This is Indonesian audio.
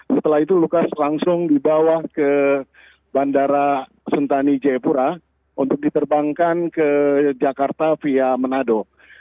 setelah itu lukas langsung dibawa ke bandara sentani jayapura untuk diterbangkan ke jakarta via manado